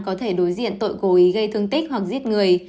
có thể đối diện tội cố ý gây thương tích hoặc giết người